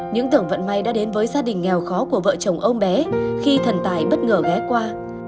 những tưởng vận may đã đến với gia đình nghèo khó của vợ chồng ông bé khi thần tài bất ngờ ghé qua